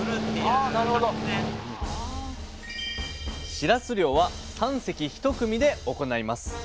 しらす漁は３隻１組で行います。